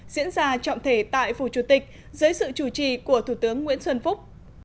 diễn ra trọng thể tại phủ chủ tịch dưới sự chủ trì của thủ tướng nguyễn xuân phúc